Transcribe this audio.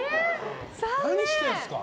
何してるんですか。